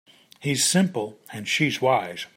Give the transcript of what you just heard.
He's simple and she's wise.